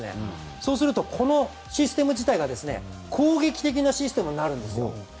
そうすると、このシステム自体が攻撃的なシステムになるんですよ。